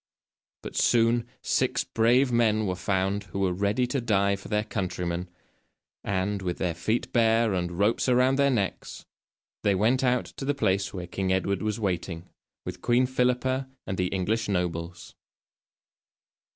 But soon six brave men were found who were ready to die for their countrymen, and, with their feet bare and ropes around their necks, they went out to the place where King Edward was waiting, with Queen Philippa and the English nobles.